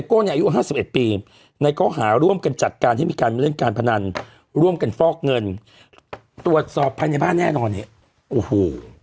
ยี่โก้เนี่ยอายุ๕๑ปีในก็หาร่วมกันจัดการหลุมกันเป็นการพนันร่วมกันเป็นการฟอกเงินตรวจสอบภายในบ้านแน่นอนเนี่ยโอ้โห